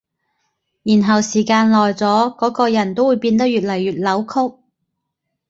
然後時間耐咗，嗰個人都會變得越來越扭曲